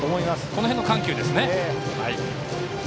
この辺の緩急ですね。